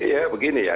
ya begini ya